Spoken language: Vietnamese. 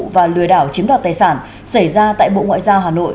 và lừa đảo chiếm đoạt tài sản xảy ra tại bộ ngoại giao hà nội